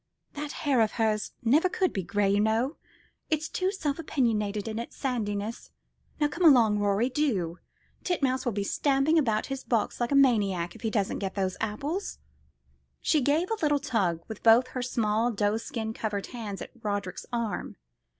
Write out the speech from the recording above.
That hair of hers never could be gray, you know, it's too self opinionated in its sandiness. Now come along, Rorie, do. Titmouse will be stamping about his box like a maniac if he doesn't get those apples." She gave a little tug with both her small doeskin covered hands at Roderick's arm.